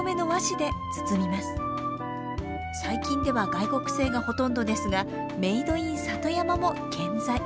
最近では外国製がほとんどですがメードインサトヤマも健在。